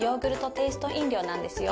テイスト飲料なんですよ。